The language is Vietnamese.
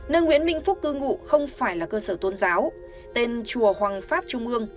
nơi nguyễn minh phúc cư ngụ không phải là cơ sở tôn giáo tên chùa hoàng pháp trung ương